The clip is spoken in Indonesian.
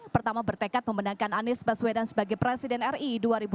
pertama bertekad memenangkan anies baswedan sebagai presiden ri